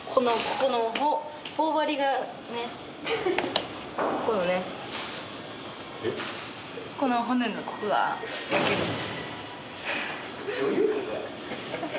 この骨のここが焼けるんです